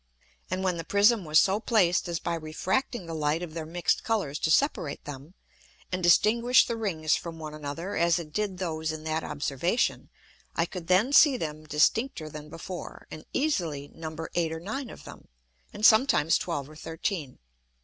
And when the Prism was so placed as by refracting the Light of their mix'd Colours to separate them, and distinguish the Rings from one another, as it did those in that Observation, I could then see them distincter than before, and easily number eight or nine of them, and sometimes twelve or thirteen.